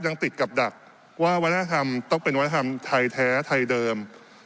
ยังติดกับดักว่าวัฒนธรรมต้องเป็นวัฒนธรรมไทยแท้ไทยเดิม